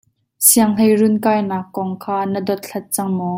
Sianghleiruun kainak kong kha na dothlat cang maw?